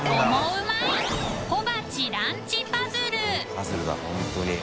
パズルだ本当に。